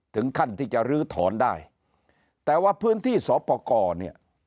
ถึงขั้นที่จะลื้อถอนได้แต่ว่าพื้นที่สอปกรเนี่ย